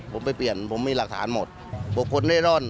ผมไปเปลี่ยนผมมีหลักฐานหมดบุคคลเร่ร่อน